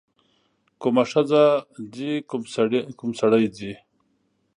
کومه ښځه ځي کوم سړی ځي.